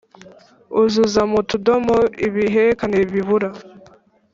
Uzuza mu tudomo ibihekane bibura